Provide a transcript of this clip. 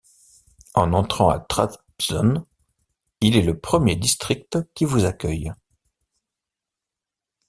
En entrant à Trabzon, il est le premier district qui vous accueille.